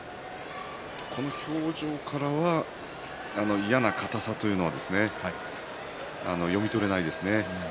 この表情からは嫌な硬さというのは読み取れないですね。